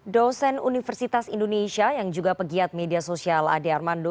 dosen universitas indonesia yang juga pegiat media sosial ade armando